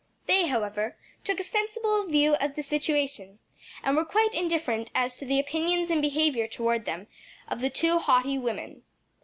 They, however, took a sensible view of the situation, and were quite indifferent as to the opinions and behavior toward them of the two haughty women.